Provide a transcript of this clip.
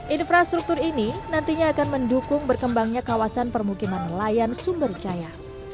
infrastruktur ini nantinya akan mendukung berkembangnya kawasan permukiman nelayan sumberjaya